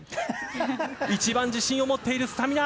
一番自信を持っているスタミナ。